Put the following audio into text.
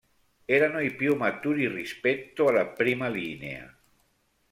Erano i più maturi rispetto alla prima linea.